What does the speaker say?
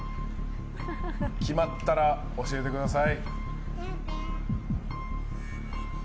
決まったら教えてください。